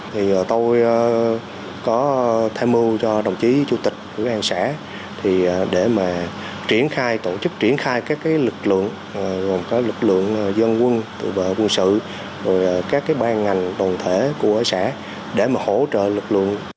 thì tôi có thay mưu cho đồng chí chủ tịch của công an xã để mà triển khai tổ chức triển khai các lực lượng gồm các lực lượng dân quân tự vệ quân sự các ban ngành đồng thể của xã để mà hỗ trợ lực lượng